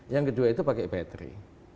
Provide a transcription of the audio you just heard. yang kedua itu pakai baterai